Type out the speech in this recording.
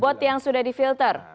bot yang sudah di filter